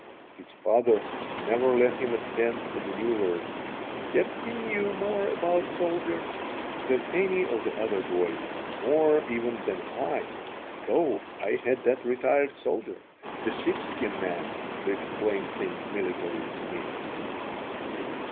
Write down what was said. His father never let him attend the manoeuvers, yet he knew more about soldiers than any of the other boys, more even than I, though I had that retired soldier, the sheepskin man, to explain things military to me.